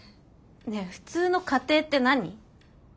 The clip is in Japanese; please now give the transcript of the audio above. ねえ「普通の家庭」って何？